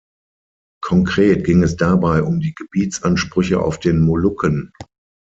Konkret ging es dabei um die Gebietsansprüche auf den Molukken.